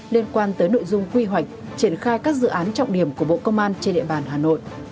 liên quan tới nội dung quy hoạch triển khai các dự án trọng điểm của bộ công an trên địa bàn hà nội